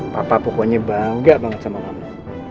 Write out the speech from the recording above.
papa pokoknya bangga banget sama mama